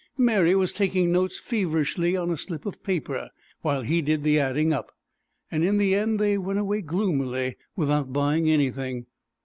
Mary was taking notes feverishly on a slip of paper while he did the adding up, and in the end they went away gloomily without buying anything.